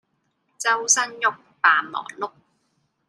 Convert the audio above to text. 周身郁，扮忙碌